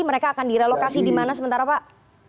mereka akan direlokasi di mana sementara pak